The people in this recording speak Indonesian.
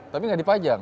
tapi gak dipajang